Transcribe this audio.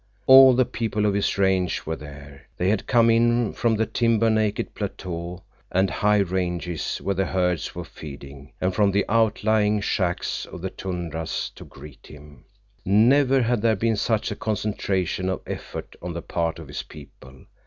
All the people of his range were there. They had come in from the timber naked plateaux and high ranges where the herds were feeding, and from the outlying shacks of the tundras to greet him. Never had there been such a concentration of effort on the part of his people.